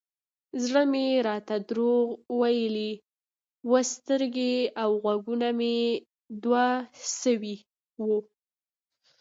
زړه مې راته دروغ ويلي و سترګې او غوږونه مې دوکه سوي وو.